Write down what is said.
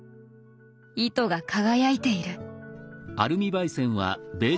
糸が輝いている。